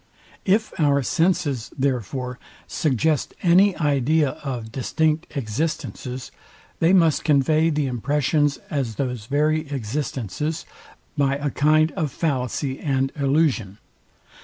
If our senses, therefore, suggest any idea of distinct existences, they must convey the impressions as those very existences, by a kind of fallacy and illusion.